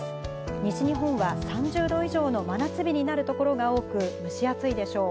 西日本は３０度以上の真夏日になる所が多く、蒸し暑いでしょう。